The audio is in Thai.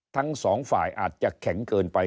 ทั้งสองฝ่ายอาจจะแข็งเกินไป